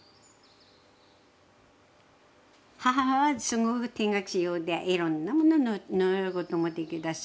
母はすごく手が器用でいろんなもの縫うこともできたし。